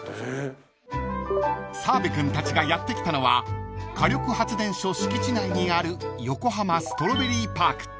［澤部君たちがやって来たのは火力発電所敷地内にある横浜ストロベリーパーク］